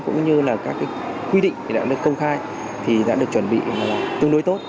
cũng như là các quy định thì đã được công khai thì đã được chuẩn bị tương đối tốt